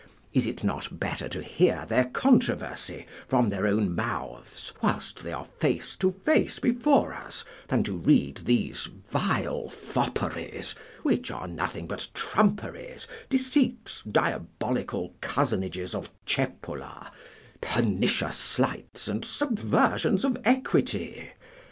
Is it not better to hear their controversy from their own mouths whilst they are face to face before us, than to read these vile fopperies, which are nothing but trumperies, deceits, diabolical cozenages of Cepola, pernicious slights and subversions of equity?